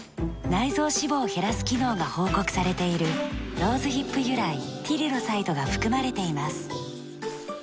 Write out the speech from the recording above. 内臓脂肪を減らす機能が報告されているローズヒップ由来ティリロサイドが含まれています。